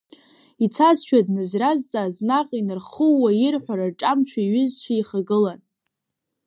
Ицазшәа дназразҵааз наҟ инархууа, ирҳәара рҿамшәо иҩызцәа ихагылан.